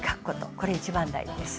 これ一番大事です。